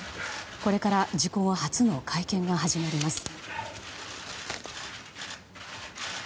これから事故後初の会見が始まります。